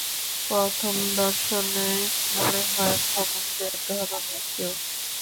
প্রথম দর্শনে মনে হয় ভবঘুরে ধরনের কেউ।